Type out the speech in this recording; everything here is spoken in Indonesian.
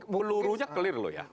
pelurunya clear loh ya